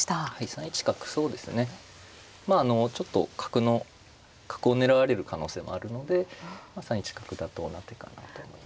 ３一角そうですねまああのちょっと角を狙われる可能性もあるので３一角妥当な手かなと思います。